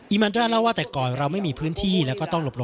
อีมัลดร่าเล่าว่าแต่ก่อนเราไม่มีพื้นที่และก็ต้องหลบซ้อน